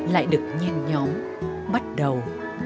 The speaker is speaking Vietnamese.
lại được nhen nhóm bắt đầu